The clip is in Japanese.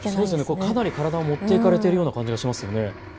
かなり体をもっていかれているような感じがしますね。